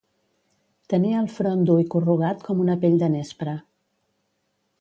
Tenia el front dur i corrugat com una pell de nespra.